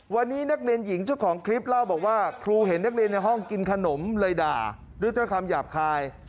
วันนี้นักเรียนหญิงเจ้าของคลิปเล่าบอกว่าครูเห็นนักเรียนในห้องกินขนมเลยด่าด้วยคำหยาบคาย